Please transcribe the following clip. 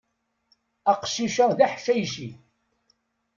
Aqcic-a d aḥcayci.